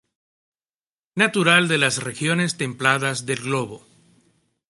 Natural de las regiones templadas del globo.